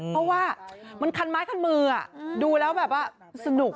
เพราะว่ามันคันไม้คันมือดูแล้วแบบว่าสนุก